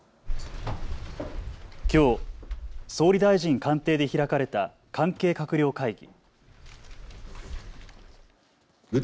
きょう総理大臣官邸で開かれた関係閣僚会議。